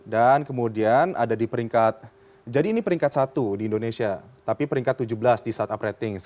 dan kemudian ada di peringkat jadi ini peringkat satu di indonesia tapi peringkat tujuh belas di startup ratings